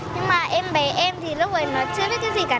nhưng mà em bé em thì lúc ấy nó chưa biết cái gì cả